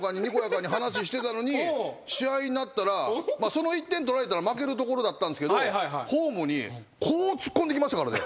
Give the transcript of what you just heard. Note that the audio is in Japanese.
試合になったらその１点取られたら負けるところだったんすけどホームにこう突っ込んできましたからね。